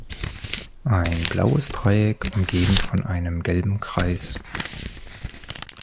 Ein blaues Dreieck umgeben von einem gelben Kreis.